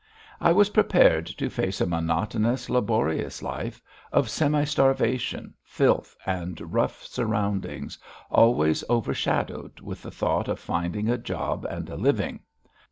I was prepared to face a monotonous, laborious life, of semi starvation, filth, and rough surroundings, always overshadowed with the thought of finding a job and a living.